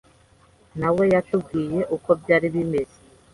na we yatubwiye uko byari bimeze